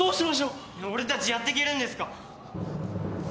俺たちやってけるんですか？